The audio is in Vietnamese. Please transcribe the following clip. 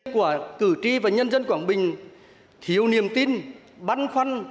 của cử tri và nhân dân quảng bình thiếu niềm tin băn khoăn